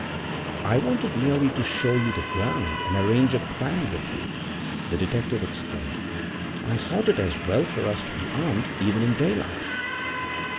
'I wanted merely to show you the ground, and arrange a plan with you,' the detective explained. 'I thought it as well for us to be armed, even in daylight.'